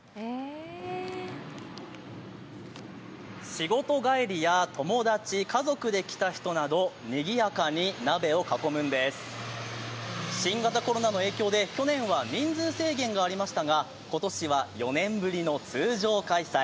仕事帰りや友達、家族で来た人などにぎやかに鍋を囲むんです、新型コロナの影響で去年は人数制限がありましたが今年は４年ぶりの通常開催。